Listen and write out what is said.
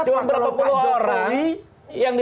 cuma berapa puluh orang